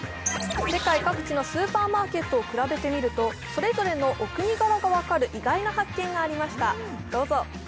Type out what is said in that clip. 世界各地のスーパーマーケットを比べてみるとそれぞれのお国柄が分かる意外な発見が分かりました。